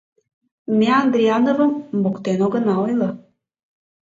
Ме Андриановым моктен огына ойло.